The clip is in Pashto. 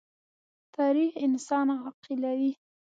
تاریخ انسان عاقلوي.